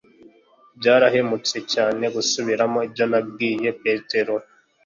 Byarahemutse cyane gusubiramo ibyo nabwiye Petero